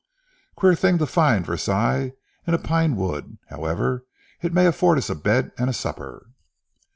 "H'm! Queer thing to find Versailles in a pine wood. However it may afford us a bed and a supper."